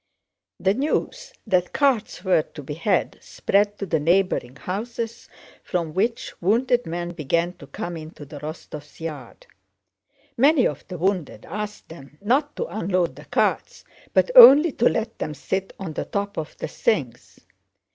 The news that carts were to be had spread to the neighboring houses, from which wounded men began to come into the Rostóvs' yard. Many of the wounded asked them not to unload the carts but only to let them sit on the top of the things.